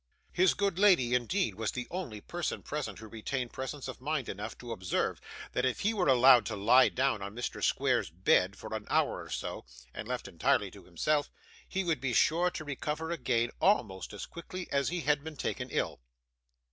His good lady, indeed, was the only person present, who retained presence of mind enough to observe that if he were allowed to lie down on Mr. Squeers's bed for an hour or so, and left entirely to himself, he would be sure to recover again almost as quickly as he had been taken ill.